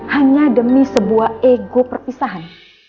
hanya demi sebuah ego perpisahan